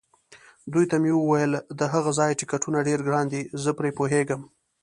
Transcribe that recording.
دوی ته مې وویل: د هغه ځای ټکټونه ډېر ګران دي، زه پرې پوهېږم.